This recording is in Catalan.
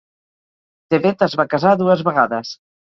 De Wet es va casar dues vegades.